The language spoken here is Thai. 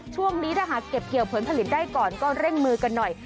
ช่วงนี้ถ้าหากเก็บเกี่ยวผลผลิตได้ก่อนก็เร่งมือกันหน่อย